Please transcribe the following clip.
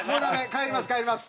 帰ります帰ります。